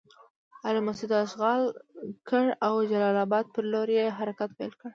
علي مسجد اشغال کړ او جلال اباد پر لور یې حرکت پیل کړ.